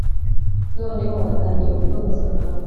noneho atangira gukunda samantha